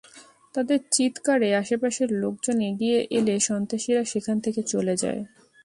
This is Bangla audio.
তাঁদের চিৎকারে আশপাশের লোকজন এগিয়ে এলে সন্ত্রাসীরা সেখান থেকে চলে যায়।